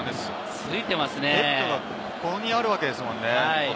ヘッドがここにあるんですもんね。